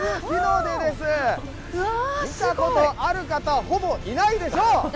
見たことある方、ほぼいないでしょう！